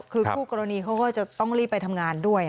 คือคู่กรณีเขาก็จะต้องรีบไปทำงานด้วย